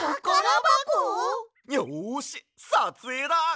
よしさつえいだ！